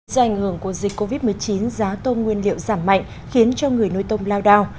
do ảnh hưởng của dịch covid một mươi chín giá tôm nguyên liệu giảm mạnh khiến cho người nuôi tôm lao đao